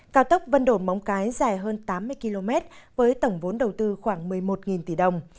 cao tốc vân đồn móng cái dài hơn tám mươi km với tổng vốn đầu tư khoảng một mươi một tỷ đồng